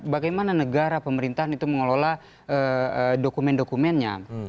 bagaimana negara pemerintahan itu mengelola dokumen dokumennya